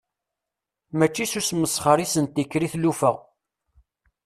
Mačči s usmesxer i asent-ittekkar i tlufa.